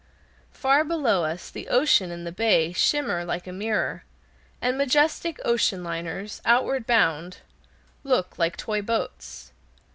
Far below us the ocean and the bay shimmer like a mirror, and majestic ocean liners, outward bound, look like toy boats.